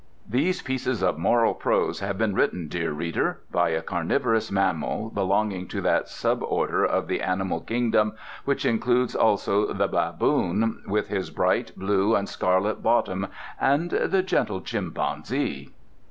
"These pieces of moral prose have been written, dear Reader, by a Carnivorous Mammal, belonging to that suborder of the Animal Kingdom which includes also the Baboon, with his bright blue and scarlet bottom, and the gentle Chimpanzee."